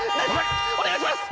お願いします！